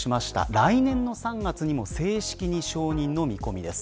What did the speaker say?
来年３月にも正式に承認の見込みです。